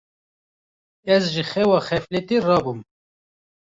Ez ji xewa xefletê rabûm.